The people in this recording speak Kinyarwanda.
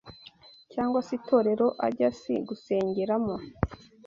cyangwa se itorero, ajyas gusengeramo